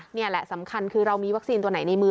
นี่แหละสำคัญคือเรามีวัคซีนตัวไหนในมือ